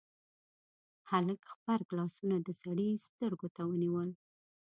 هلک غبرګ لاسونه د سړي سترګو ته ونيول: